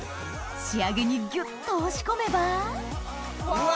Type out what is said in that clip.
仕上げにギュっと押し込めばうわ！